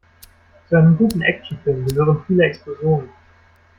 Zu einem guten Actionfilm gehören viele Explosionen.